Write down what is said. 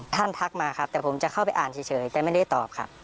ทักมาครับแต่ผมจะเข้าไปอ่านเฉยแต่ไม่ได้ตอบครับ